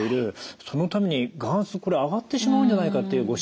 そのために眼圧上がってしまうんじゃないかっていうご心配がある。